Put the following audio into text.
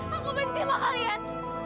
aku benci mah kalian